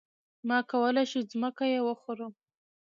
ما کولی شو ځمکه يې وخورمه.